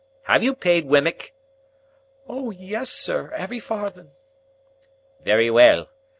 Have you paid Wemmick?" "O yes, sir! Every farden." "Very well.